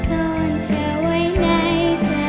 ซ่อนเธอไว้ในใจ